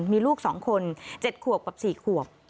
มีลูกสองคนเจ็ดขวบกับสี่ขวบ